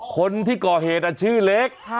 คนที่ก่อเหตุชื่อเล็ก